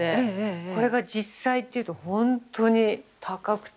これが実際っていうとほんとに高くて。